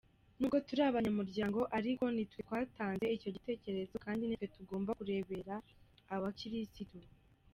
N’ubwo turi abanyamuryango ariko nitwe twatanze icyo gitekerezo kandi nitwe tugomba kureberera abakirisitu.